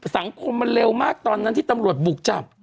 สังคมมันเร็วมากตอนนั้นที่ตำรวจบุกจับ